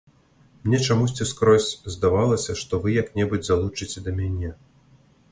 Мне чамусьці скрозь здавалася, што вы як-небудзь залучыце да мяне.